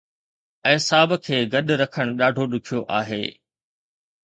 اعصاب کي گڏ رکڻ ڏاڍو ڏکيو ٿيندو.